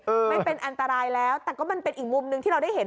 ไม่เป็นอันตรายแล้วแต่ก็มันเป็นอีกมุมหนึ่งที่เราได้เห็น